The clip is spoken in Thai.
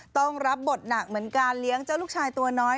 ต้องรับบทหนักเหมือนการเลี้ยงเจ้าลูกชายตัวน้อย